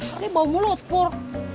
aduh bau mulut pur